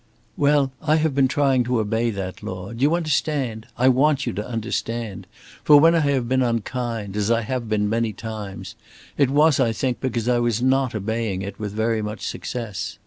"Well, I have been trying to obey that law. Do you understand? I want you to understand. For when I have been unkind, as I have been many times, it was, I think, because I was not obeying it with very much success.